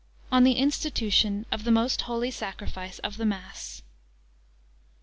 On the institution of the most holy Sacrifice of the Mass.